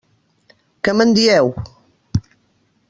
Què me'n dieu?